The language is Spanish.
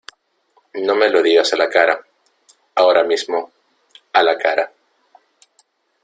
no me lo digas a la cara. ahora mismo, a la cara .